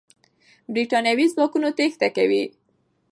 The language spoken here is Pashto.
برتانوي ځواکونه تېښته کوي.